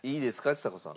ちさ子さん。